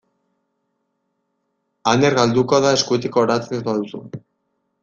Aner galduko da eskutik oratzen ez baduzu.